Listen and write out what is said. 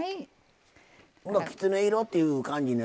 きつね色っていう感じに。